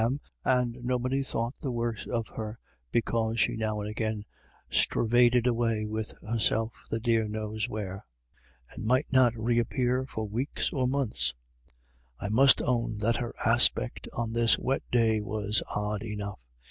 am> and nobody thought the worse of her because she now and again " stravaded away wid herself the dear knows where," and might not reappear for weeks or months. I must own that her aspect on this wet day was odd enough.